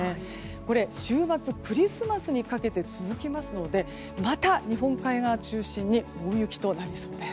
これ週末、クリスマスにかけて続きますのでまた、日本海側中心に大雪となりそうです。